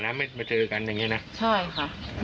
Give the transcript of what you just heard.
ไม่มาเจอกันอย่างเงี้ยนะใช่ค่ะน่าจะประมาณนั้น